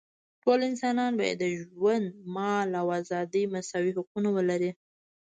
ټول انسانان باید د ژوند، مال او ازادۍ مساوي حقونه ولري.